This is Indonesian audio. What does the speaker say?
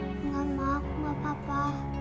gak mak gak apa apa